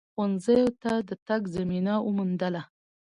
ښونځیو ته د تگ زمینه وموندله